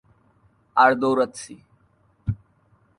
আর দৌড়াচ্ছি।